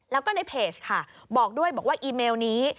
แล้วก็ในเพจค่ะบอกด้วยบอกว่าอีเมลนี้